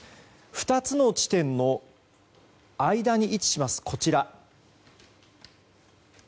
２つの地点の間に位置するこちら